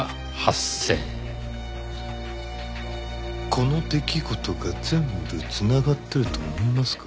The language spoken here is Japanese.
この出来事が全部繋がってると思いますか？